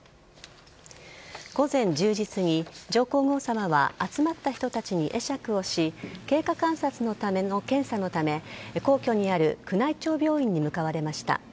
午前１０時すぎ上皇后さまは集まった人たちに会釈をし経過観察のための検査のため皇居にある宮内庁病院に向かわれました。